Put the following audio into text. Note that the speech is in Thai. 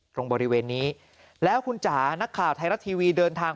ตรงบริเวณนี้แล้วคุณจ๋านักข่าวไทยรัฐทีวีเดินทาง